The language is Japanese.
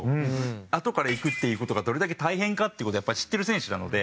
あとからいくっていう事がどれだけ大変かっていう事をやっぱり知ってる選手なので。